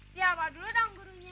siapa dulu dong gurunya